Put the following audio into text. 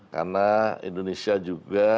karena indonesia juga